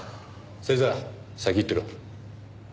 芹沢先行ってろ。